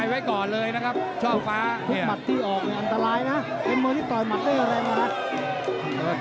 นี่ไอ้เจ้าชลามศึก